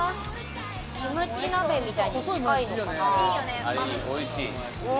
キムチ鍋みたいなのに近いのかな。